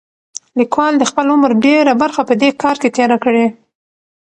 لیکوال د خپل عمر ډېره برخه په دې کار کې تېره کړې.